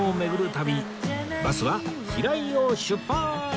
バスは平井を出発！